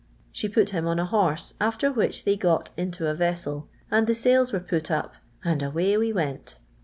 She put him on a horse, after which they got into a ve. HM'l, and the Sttils were put up, * and away we went.'